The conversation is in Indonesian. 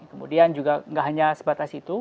kemudian juga nggak hanya sebatas itu